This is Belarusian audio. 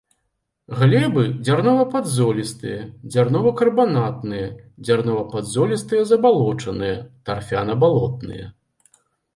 Глебы дзярнова-падзолістыя, дзярнова-карбанатныя, дзярнова-падзолістыя забалочаныя, тарфяна-балотныя.